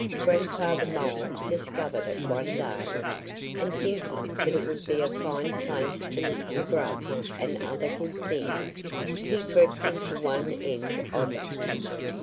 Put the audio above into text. Grandfather Mole discovered it one day; and thinking that it would be a fine place to look for grubs and other good things, he crept into one end of it.